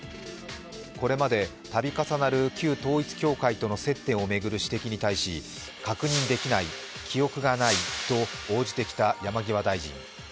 これまで、度重なる旧統一教会との接点を巡る指摘に対し確認できない、記憶がないと応じてきた山際大臣。